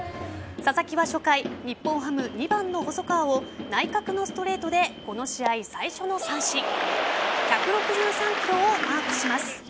佐々木は初回日本ハム２番の細川を内角のストレートでこの試合最初の三振１６３キロをマークします。